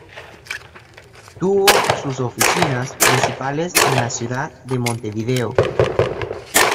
Tuvo sus oficinas principales en la ciudad de Montevideo.